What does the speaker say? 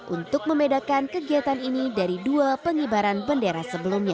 untuk membedakan kegiatan ini dari dua pengibaran bendera sebelumnya